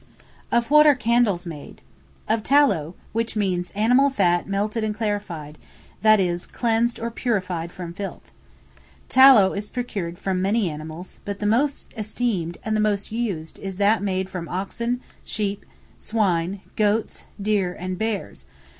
Of what are Candles made? Of Tallow, which means animal fat melted and clarified, that is, cleansed or purified from filth. Tallow is procured from many animals, but the most esteemed, and the most used, is that made from oxen, sheep, swine, goats, deer, bears, &c.